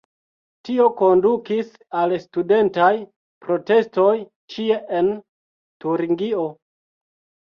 Tio kondukis al studentaj protestoj ĉie en Turingio.